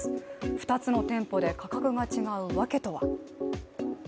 ２つの店舗で価格が違う訳とは？